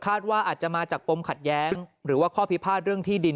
ว่าอาจจะมาจากปมขัดแย้งหรือว่าข้อพิพาทเรื่องที่ดิน